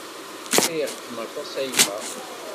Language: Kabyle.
Riɣ-kem aṭas a yemma!